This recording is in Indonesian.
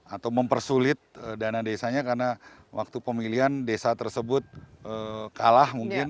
atau mempersulit dana desanya karena waktu pemilihan desa tersebut kalah mungkin